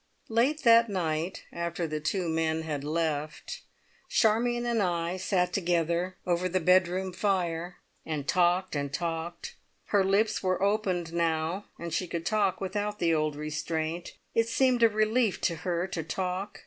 Late that night, after the two men had left, Charmion and I sat together over the bedroom fire, and talked and talked. Her lips were opened now, and she could talk without the old restraint. It seemed a relief to her to talk.